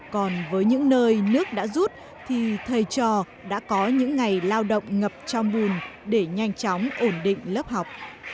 còn với những nơi nước đã rút thì thầy trò đã có những ngày lao động ngập trong bùn để nhanh chóng ổn định lớp học